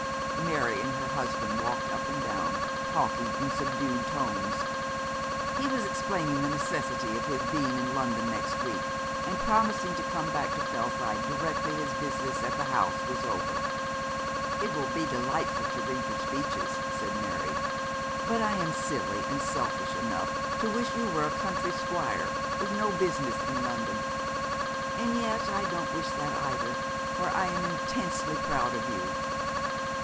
Mary and her husband walked up and down, talking in subdued tones. He was explaining the necessity of his being in London next week, and promising to come back to Fellside directly his business at the House was over. 'It will be delightful to read your speeches,' said Mary; 'but I am silly and selfish enough to wish you were a country squire, with no business in London. And yet I don't wish that either, for I am intensely proud of you.'